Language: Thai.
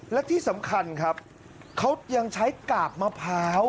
และที่สำคัญครับเขายังใช้กาบมะพร้าว